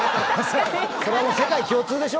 それは世界共通でしょ？